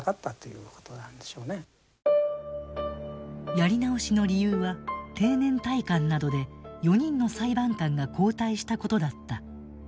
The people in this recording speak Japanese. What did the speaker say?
やり直しの理由は定年退官などで４人の裁判官が交代したことだった。